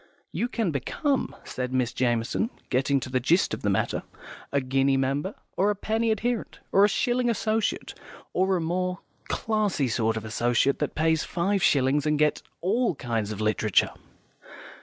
"You can become," said Miss Jamison, getting to the gist of the matter, "a guinea member, or a penny adherent, or a shilling associate, or a more classy sort of associate, that pays five shillings and gets all kinds of literature."